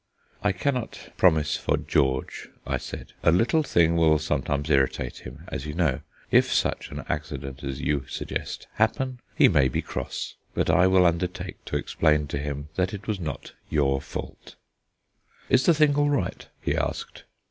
"I cannot promise for George," I said; "a little thing will sometimes irritate him, as you know. If such an accident as you suggest happen, he may be cross, but I will undertake to explain to him that it was not your fault." "Is the thing all right?" he asked.